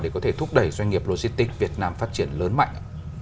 để có thể thúc đẩy doanh nghiệp logistics việt nam phát triển lớn mạnh